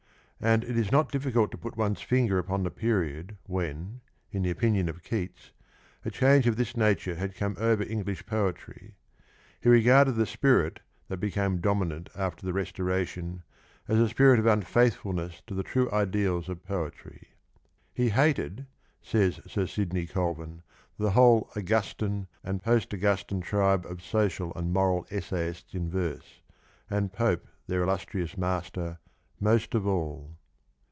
And it is not difficult to put one's finger upon the period when, in the opinon of Keats, a change of this nature had come over English poetry. He regarded the spirit that became dominant after the Restoration as a spirit of unfaithfulness to the true ideals of poetry. '' He hated," says Sir Sidney Colvin, " the whole ' Augustan ' and post Augustan tribe of social and moral essayists in verse, and Pope their illustrious master, most of all."